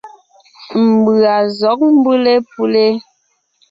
Mbʉ̀a zɔ̌g mbʉ́le ?